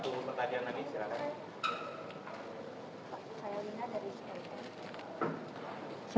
satu pertanyaan lagi silahkan